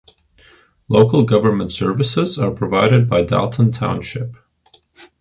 Local government services are provided by Dalton Township.